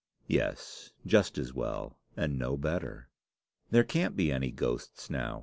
"Yes, just as well, and no better." "There can't be any ghosts now.